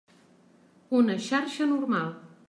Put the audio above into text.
Una xarxa normal.